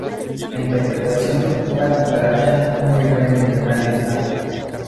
La interpretación "La Cucaracha" no figura en ninguna lista.